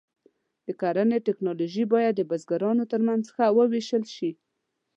د کرنې ټکنالوژي باید د بزګرانو تر منځ ښه وویشل شي.